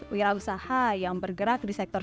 wira usaha yang bergerak di sektor